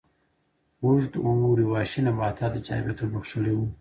اوږد اوړي وحشي نباتاتو ته جذابیت ور بخښلی و.